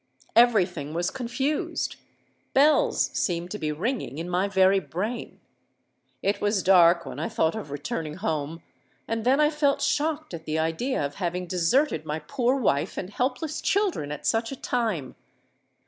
Every thing was confused: bells seemed to be ringing in my very brain. It was dark when I thought of returning home; and then I felt shocked at the idea of having deserted my poor wife and helpless children at such a time.